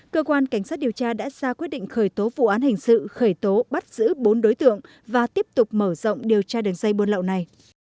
cơ quan cảnh sát điều tra đã ra quyết định khởi tố vụ án hình sự khởi tố bắt giữ bốn đối tượng và tiếp tục mở rộng điều tra đường dây buôn lậu này